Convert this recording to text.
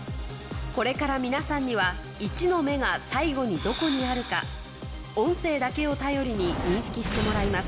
これから皆さんには１の目が最後にどこにあるか音声だけを頼りに認識してもらいます